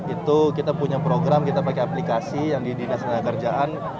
itu kita punya program kita pakai aplikasi yang di dinas tenaga kerjaan